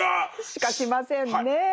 しかしませんね。